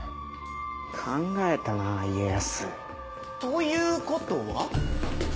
考えたなぁ家康。ということは？